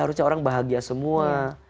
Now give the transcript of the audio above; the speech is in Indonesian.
harusnya orang bahagia semua